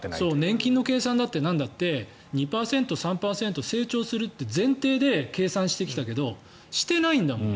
年金の計算だって２％、３％成長するって前提で計算してきたけどしてないんだもん。